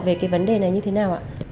về cái vấn đề này như thế nào ạ